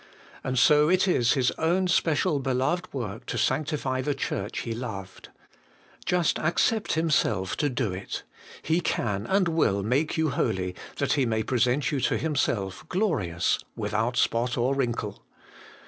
And so it is His own special beloved work to sanctify the Church He loved. Just accept Himself to do it. He can and will make you holy, that He may present you to Himself glorious, without spot or wrinkle.